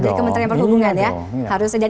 dari pemerintah perhubungan ya